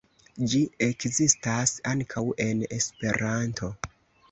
Ĝi ekzistas ankaŭ en Esperanto.